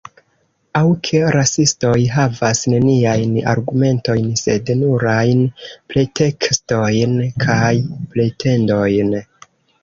Aŭ ke rasistoj havas neniajn argumentojn, sed nurajn pretekstojn kaj pretendojn.